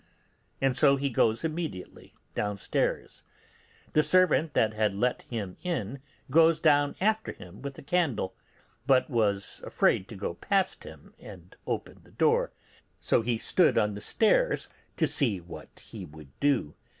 And so he goes immediately downstairs. The servant that had let him in goes down after him with a candle, but was afraid to go past him and open the door, so he stood on the stairs to see what he would do.